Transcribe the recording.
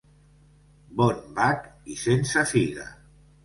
Bon bac i sense figa.